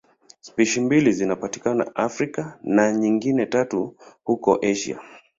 Spishi mbili zinapatikana Afrika na nyingine tatu huko Asia.